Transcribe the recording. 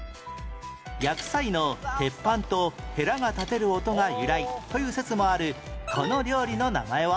焼く際の鉄板とヘラが立てる音が由来という説もあるこの料理の名前は？